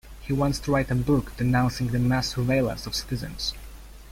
He wants to write a book denouncing the mass surveillance of citizens.